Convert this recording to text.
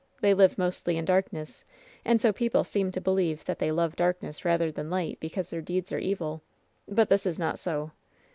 They live mostly in darkness, and so people seem to believe that they love darkness rather than light because their deeds are evil.' But this is not so.'